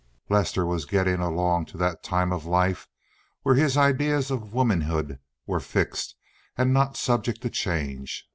Lester was getting along to that time of life when his ideas of womanhood were fixed and not subject to change.